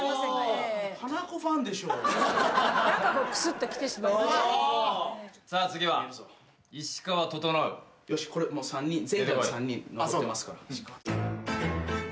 よしこれもう３人。